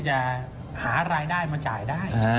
จะหารายได้มาจ่ายได้